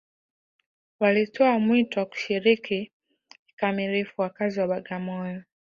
walitoa mwito wa kushirikisha kikamilifu wakazi wa bagamoyo